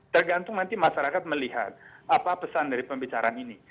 tergantung nanti masyarakat melihat apa pesan dari pembicaraan ini